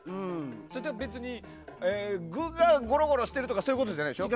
それは具がゴロゴロしてるとかそういうことじゃないんでしょ。